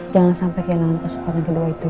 jangan sampai kehilangan kesempatan kedua itu ya